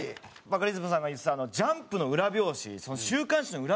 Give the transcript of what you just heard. バカリズムさんが言ってた『ジャンプ』の裏表紙週刊誌の裏